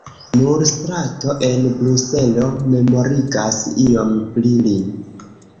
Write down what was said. Nur strato en Bruselo memorigas iom pri li.